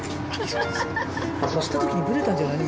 押した時にブレたんじゃないの？